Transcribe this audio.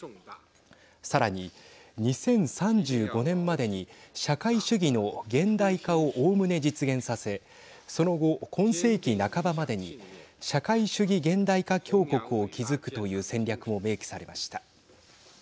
さらに２０３５年までに社会主義の現代化をおおむね実現させその後、今世紀半ばまでに社会主義現代化強国を築くという戦略も明記されました。